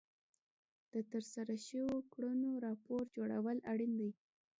د ترسره شوو کړنو راپور جوړول اړین دي.